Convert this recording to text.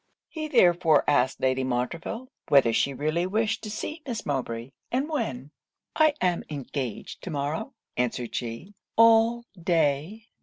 He therefore asked Lady Montreville, whether she really wished to see Miss Mowbray, and when? 'I am engaged to morrow,' answered she, 'all day.